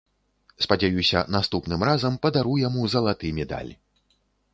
Спадзяюся, наступным разам падару яму залаты медаль.